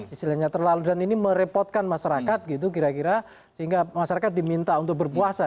istilahnya terlalu dan ini merepotkan masyarakat gitu kira kira sehingga masyarakat diminta untuk berpuasa